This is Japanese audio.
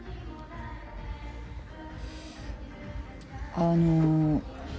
あの。